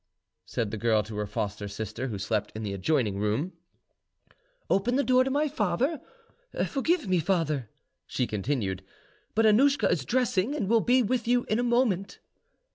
said the girl to her foster sister, who slept in the adjoining room, "open the door to my father. Forgive me, father," she continued; "but Annouschka is dressing, and will be with you in a moment."